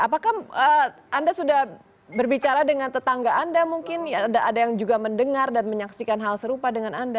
apakah anda sudah berbicara dengan tetangga anda mungkin ada yang juga mendengar dan menyaksikan hal serupa dengan anda